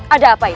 ada apa itu